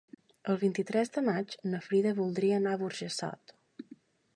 El vint-i-tres de maig na Frida voldria anar a Burjassot.